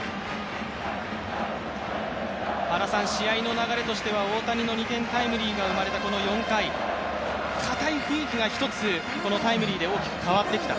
試合の流れとしては、大谷の２点タイムリーが生まれた４回、かたい雰囲気が１つ、このタイムリーで大きく変わってきた、